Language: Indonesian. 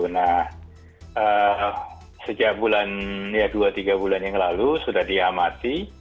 nah sejak dua tiga bulan yang lalu sudah diamati